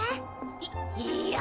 いいやあ。